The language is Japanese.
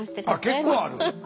結構ある？